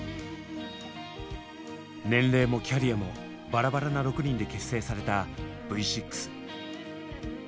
年齢もキャリアもバラバラな６人で結成されたＶ６。